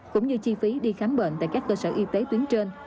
cũng như chi phí đi khám bệnh tại các cơ sở y tế tuyến trên